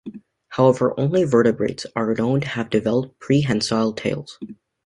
However, only vertebrates are known to have developed prehensile tails.